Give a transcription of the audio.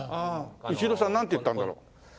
イチローさんなんて言ったんだろう？